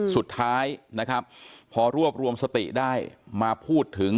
สุดท้ายนะครับพอรวบรวมสติได้มาพูดถึง